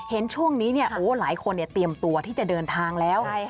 เห็นช่วงนี้หลายคนเตรียมตัวที่จะเดินทางแล้ว